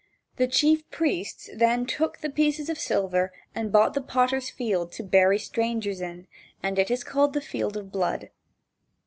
The chief priests then took the pieces of silver and bought the potter's field to bury strangers in, and it is called the field of blood.